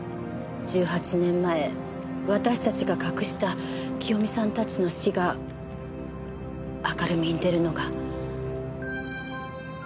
１８年前私たちが隠した清美さんたちの死が明るみに出るのが。